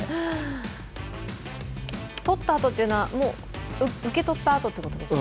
とったあとというのは、受け取ったあとということですか。